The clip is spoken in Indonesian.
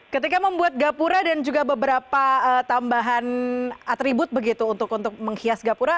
ketika membuat gapura dan juga beberapa tambahan atribut begitu untuk menghias gapura